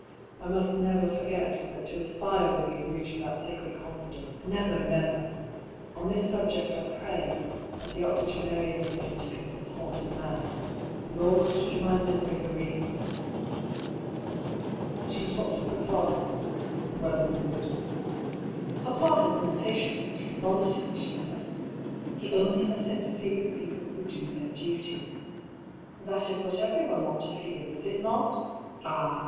I must never forget that to aspire would be a breach of that sacred confidence — never, never ! On this subject I pray> as the octogenarian said in Dickens' Haunted Man^ " Lord, keep my memory green !" She talked of her father — well and good. "Papa has no patience with frivolity," she said. " He only has sympathy with people who do their duty. EXTRACT PROM DIARY OF HUGH PAULL. 35 That is what every one ought to feel, is it not ? Ah